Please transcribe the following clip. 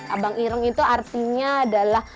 abang ireng itu artinya adalah